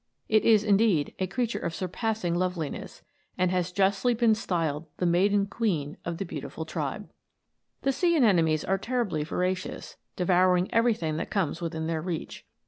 It is, indeed, a creature of sxirpassing loveliness, and has justly been styled the maiden queen of all the beautiful tribe. The sea anemones are terribly voracious, devour ing everything that comes within their reach.